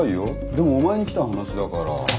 でもお前に来た話だから。